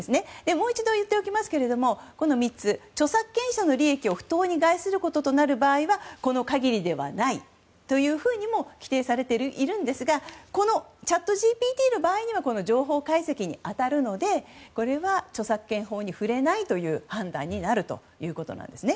もう一度言っておきますがこの３つ、著作権者の利益を不当に害することとなる場合はこの限りではないというふうにも規定されているんですがこのチャットＧＰＴの場合には情報解析に当たるのでこれは著作権法に触れないという判断になるということなんです。